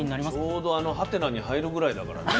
ちょうどあのハテナに入るぐらいだからね